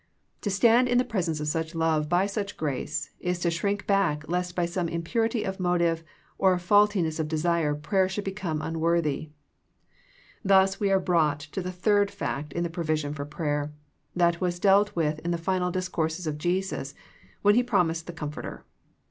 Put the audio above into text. To stand in the presence of such love by such grace is to shrink back lest by some impurity of motive or faultiness of desire prayer should become un worthy. Thus we are brought to the third fact in the provision for prayer, that was dealt with in the final discourses of Jesus when He promised the Comforter.